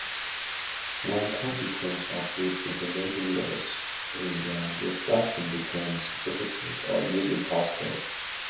One consequence of this information loss is that reflection becomes difficult or even impossible.